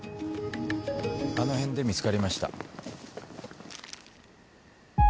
あの辺で見つかりました。